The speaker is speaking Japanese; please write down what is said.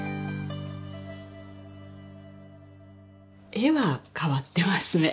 絵は変わってますね。